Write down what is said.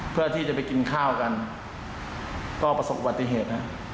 เพื่อที่จะไปกินข้าวกันก็ประสบวัติเหตุนะ